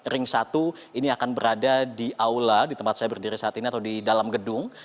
ring satu ini akan berada di aula di tempat saya berdiri saat ini atau di dalam gedung